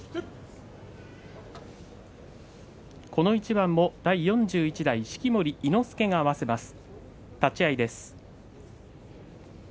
この一番も第４１代式守伊之助が合わせます。